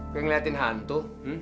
kau ngeliatin hantu